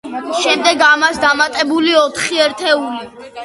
შემდეგ ამას დამატებული ოთხი ერთეული.